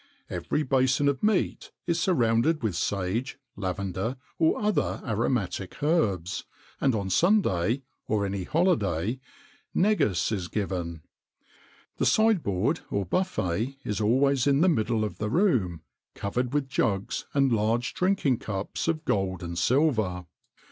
Every bason of meat is surrounded with sage, lavender, or other aromatic herbs; and on Sunday, or any holiday, negus is given. The sideboard, or buffet, is always in the middle of the room, covered with jugs and large drinking cups of gold and silver.